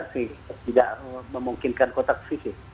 begitu longgar tidak memungkinkan kotak fisik